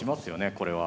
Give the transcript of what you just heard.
これは。